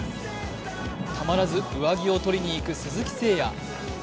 たまらず上着を取りに行く鈴木誠也。